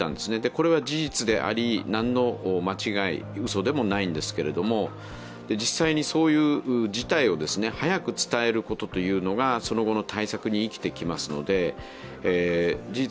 これは事実であり、何の間違い、うそでもないんですが、実際にそういう事態を早く伝えることというのがその後の対策に生きてきますので事実